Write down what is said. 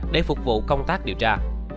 để phục vụ công tác điều tra